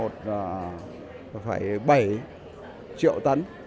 một bảy triệu tấn